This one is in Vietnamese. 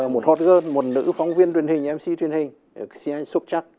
một hot girl một nữ phóng viên truyền hình mc truyền hình